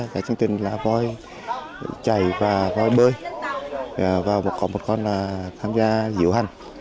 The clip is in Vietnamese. cái chương trình là voi chảy và voi bơi và có một con là tham gia diễu hành